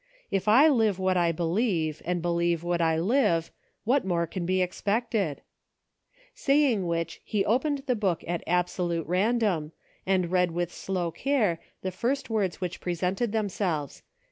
If I live what I believe, and believe what I live, what more can be expected .'" Saying which, he opened the book at absolute random, and read with slow care the first words which presented themselves.